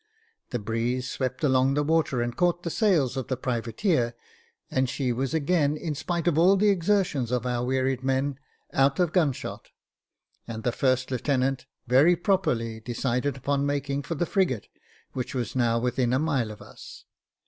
The breeze swept along the water and caught the sails of the privateer, and she was again, in spite of all the exer tions of our wearied men, out of gun shot ; and the first lieutenant very properly decided upon making for the frigate, which was now within a mile of us.